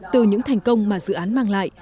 từ những thành công mà dự án mang lại